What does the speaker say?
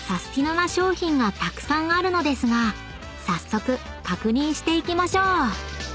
な商品がたくさんあるのですが早速確認していきましょう］